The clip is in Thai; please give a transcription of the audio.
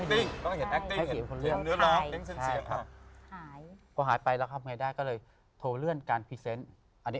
เดี๋ยวก็หายไปแล้วทำอย่างไรได้